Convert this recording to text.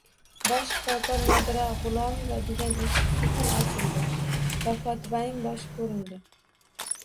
Bosh shifokor Nodira G`ulomova degan eshik sekin ochildi va kotibaning boshi ko`rindi